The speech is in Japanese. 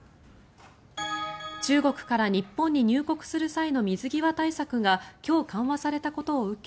中国から日本に入国する際の水際対策が今日、緩和されたこと受け